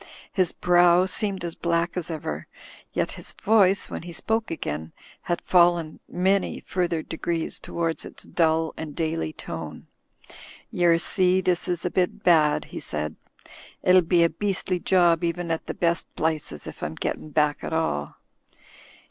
His brow seemed as black as ever, yet his voice, when he spoke again, had fallen many further degrees toward its dull and daily tone. •'"iTer see, this is a bit bad," he said. "It'll be a beastly job even at the best plices, if I'm gettin' back at all."